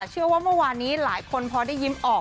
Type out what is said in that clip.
เชื่อว่าเมื่อวานนี้หลายคนพอได้ยิ้มออก